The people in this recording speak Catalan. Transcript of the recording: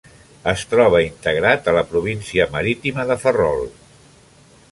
Es troba integrat a la província marítima de Ferrol.